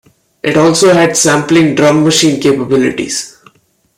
It also had sampling drum machine capabilities.